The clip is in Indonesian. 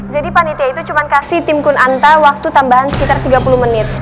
jadi panitia itu cuma kasih tim kunanta waktu tambahan sekitar tiga puluh menit